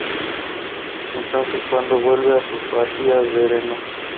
Es entonces cuando vuelve a su patria, Verona.